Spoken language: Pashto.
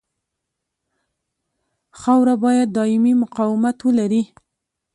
خاوره باید دایمي مقاومت ولري